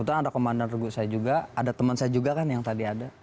kebetulan ada komandan regu saya juga ada teman saya juga kan yang tadi ada